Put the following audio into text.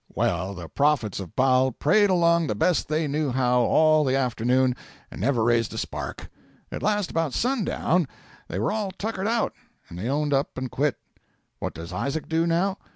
'Well, the prophets of Baal prayed along the best they knew how all the afternoon, and never raised a spark. At last, about sundown, they were all tuckered out, and they owned up and quit. 'What does Isaac do, now?